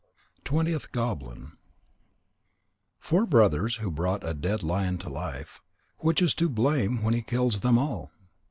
TWENTIETH GOBLIN _The Four Brothers who brought a Dead Lion to Life. Which is to blame when he kills them all?